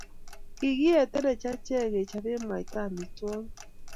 kikietenech achek kechobe mwaita amitwogik